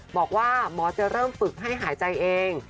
บอกว่าหมอจะเริ่มฝึกให้หายใจเอง